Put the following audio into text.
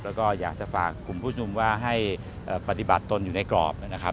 แล้วก็อยากจะฝากกลุ่มผู้ชมนุมว่าให้ปฏิบัติตนอยู่ในกรอบนะครับ